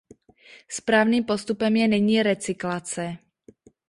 Správným postupem je nyní recyklace.